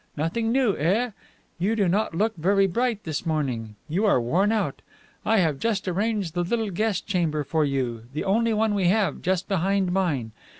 Nothing new, eh? You do not look very bright this morning. You are worn out. I have just arranged the little guest chamber for you, the only one we have, just behind mine.